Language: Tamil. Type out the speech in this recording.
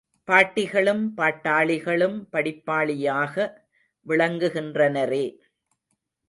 பாட்டிகளும் பாட்டாளிகளும் படிப்பாளியாக விளங்குகின்றனரே.